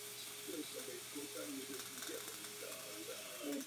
Do Moldavské republiky dosud nedorazilo jediné euro.